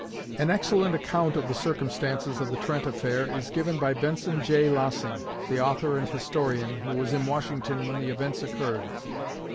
An excellent account of the circumstances of the Trent affair is given by Benson J. Lossing, the author and historian, who was in Washington when the events occurred.